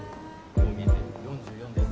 こう見えて４４です。